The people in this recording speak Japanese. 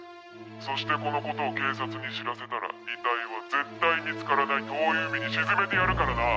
そしてこの事を警察に知らせたら遺体は絶対見つからない遠い海に沈めてやるからな！